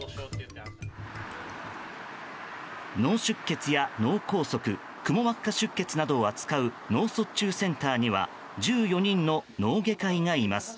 脳出血や脳梗塞くも膜下出血などを扱う脳卒中センターには１４人の脳外科医がいます。